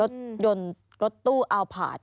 รถยนต์รถตู้เอาผ่าน